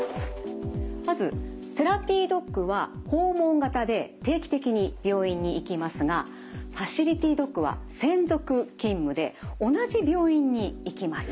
まずセラピードッグは訪問型で定期的に病院に行きますがファシリティドッグは専属勤務で同じ病院に行きます。